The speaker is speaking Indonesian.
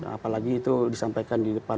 apalagi itu disampaikan di depan